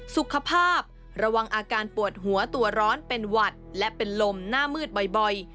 สุขภาพระวังอาการปวดหัวตัวร้อนเป็นหวัดและเป็นลมหน้ามืดบ่อย